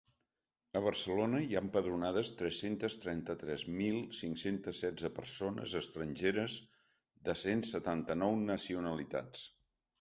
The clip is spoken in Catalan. A Barcelona, hi ha empadronades tres-cents trenta-tres mil cinc-cents setze persones estrangeres de cent setanta-nou nacionalitats.